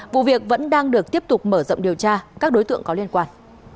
vụ việc vẫn đang được tiếp tục mở rộng điều tra các đối tượng có liên quan